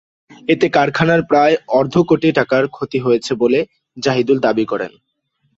এতে কারখানার প্রায় অর্ধকোটি টাকার ক্ষতি হয়েছে বলে জাহিদুল দাবি করেন।